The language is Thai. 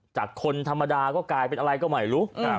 คนธรรมดาก็กลายเป็นอะไรก็ไม่รู้